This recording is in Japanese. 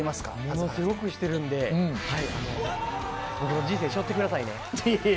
ものすごくしてるので僕の人生背負ってくださいね。